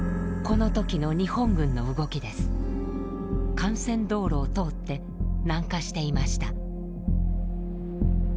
幹線道路を通って南下していました。